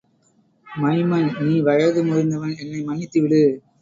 Maiman, நீ வயது முதிர்ந்தவன், என்னை மன்னித்து விடு.